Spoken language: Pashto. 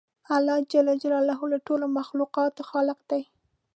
الله جل جلاله د ټولو مخلوقاتو خالق دی